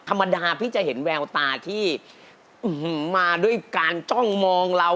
ธรรมดาพี่จะเห็นแววตาที่มาด้วยการจ้องมองเรา